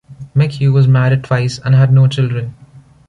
McHugh was married twice and had no children.